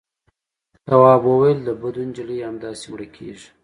تواب وويل: د بدو نجلۍ همداسې مړه کېږي.